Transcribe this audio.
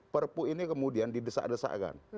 perpu ini kemudian didesak desakan